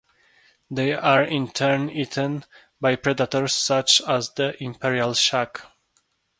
They are in turn eaten by predators such as the "Imperial shag".